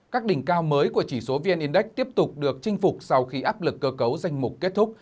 các đỉnh cao mới của chỉ số vn index tiếp tục được chinh phục sau khi áp lực cơ cấu danh mục kết thúc